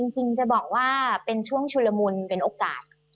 จริงจะบอกว่าเป็นช่วงชุลมุนเป็นโอกาส